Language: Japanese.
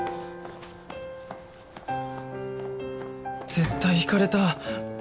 絶対引かれた！